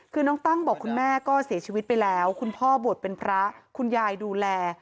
คือน้องตั้งบอกคุณแม่ก็เสียชีวิตไปแล้วคุณพ่อบวชเป็นพระคุณยายดูแล